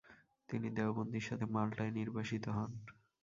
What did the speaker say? তিনি দেওবন্দির সাথে মাল্টায় নির্বাসিত হন।